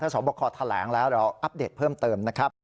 สอบคอแถลงแล้วเราอัปเดตเพิ่มเติมนะครับ